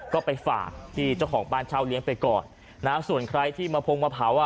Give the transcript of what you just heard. ก็ไปฝากที่เจ้าของบ้านเช่าเลี้ยงไปก่อนนะส่วนใครที่มาพงมาเผาอ่ะ